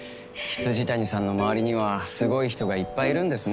未谷さんの周りにはすごい人がいっぱいいるんですね。